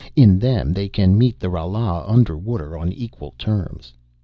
In them they can meet the Ralas under water on equal terms.